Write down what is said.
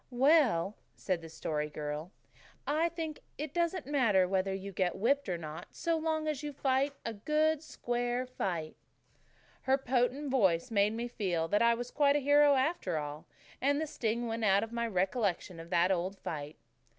"Well," said the Story Girl, "I think it doesn't matter whether you get whipped or not so long as you fight a good, square fight." Her potent voice made me feel that I was quite a hero after all, and the sting went out of my recollection of that old fight.